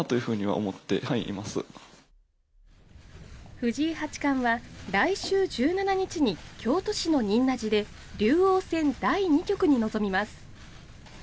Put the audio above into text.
藤井八冠は来週１７日に京都市の仁和寺で竜王戦第２局に臨みます。